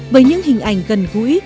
với những hình ảnh gần gũi